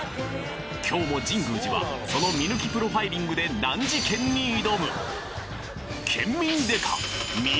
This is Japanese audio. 今日も神宮寺はその見抜きプロファイリングで難事件に挑む！